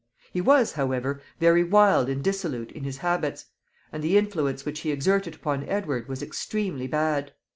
He was, however, very wild and dissolute in his habits, and the influence which he exerted upon Edward was extremely bad.